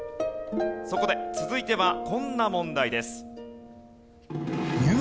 そこで続いてはこんな問題です。